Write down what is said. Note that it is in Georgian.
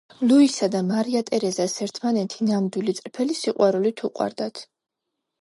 ლუისა და მარია ტერეზას ერთმანეთი ნამდვილი, წრფელი სიყვარულით უყვარდათ.